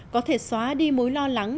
có thể xóa đi mối lo lắng